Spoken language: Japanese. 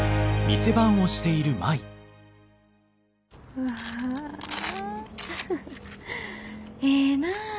うわええなあ。